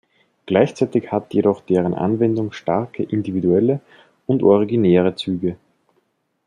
Gleichzeitig hat jedoch deren Anwendung starke individuelle und originäre Züge.